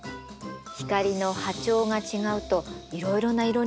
光の波長が違うといろいろな色に見えるの。